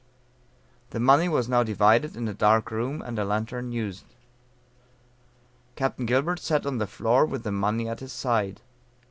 The money was now divided in a dark room and a lantern used; Capt. Gilbert sat on the floor with the money at his side.